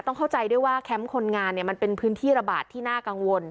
เข้าใจด้วยว่าแคมป์คนงานเนี่ยมันเป็นพื้นที่ระบาดที่น่ากังวล